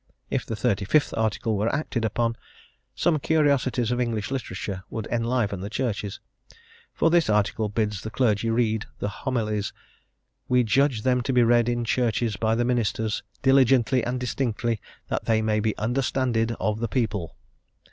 If the Thirty fifth Article were acted upon, some curiosities of English literature would enliven the Churches; for this Article bids the clergy read the Homilies: "we judge them to be read in Churches by the Ministers, diligently and distinctly, that they may be understanded of the people."